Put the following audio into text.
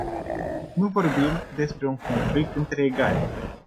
Nu vorbim despre un conflict între egali.